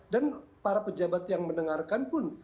dan para pejabat yang mendengarkan pun